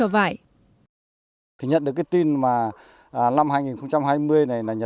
và đảm bảo vệ dịch vụ